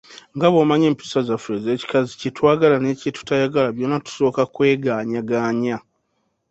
Nga bw'omanyi empisa zaffe ez'ekikazi kye twagala ne kye tutayagala byonna tusooka kwegaanyagaanya.